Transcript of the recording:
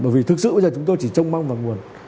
bởi vì thực sự bây giờ chúng tôi chỉ trông mong vào nguồn